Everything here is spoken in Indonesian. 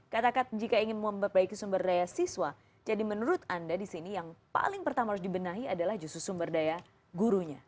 katakan jika ingin memperbaiki sumber daya siswa jadi menurut anda di sini yang paling pertama harus dibenahi adalah justru sumber daya gurunya